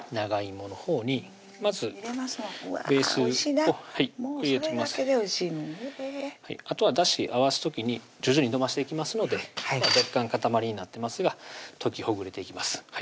もうそれだけでおいしいあとはだし合わす時に徐々にのばしていきますので若干塊になってますが溶きほぐれていきます